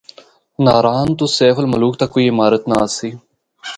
ناران تو سیف الملوک تک کوئی عمارت نہ آسی۔